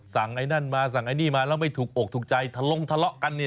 ไอ้นั่นมาสั่งไอ้นี่มาแล้วไม่ถูกอกถูกใจทะลงทะเลาะกันเนี่ย